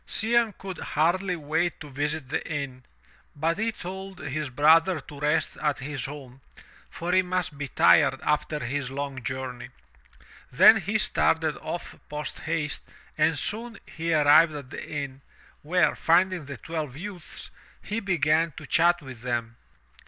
Cianne could hardly wait to visit the inn, but he told his 350 THROUGH FAIRY HALLS brother to rest at his home, for he must be tired after his long journey. Then he started off post haste and soon he arrived at the inn, where, finding the twelve youths, he began to chat with them.